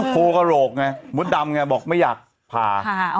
โคกะโหลกไงมุดดำเนี่ยบอกไม่อยากผ่า